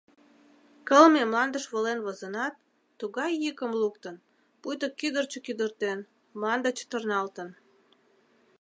Кылме мландыш волен возынат, тугай йӱкым луктын, пуйто кӱдырчӧ кӱдыртен, мланде чытырналтын.